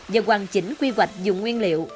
và hoàn chỉnh quy hoạch dùng nguyên liệu